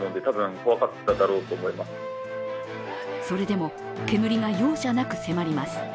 それでも煙が容赦なく迫ります。